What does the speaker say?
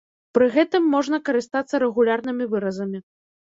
Пры гэтым можна карыстацца рэгулярнымі выразамі.